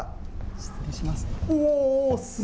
失礼します。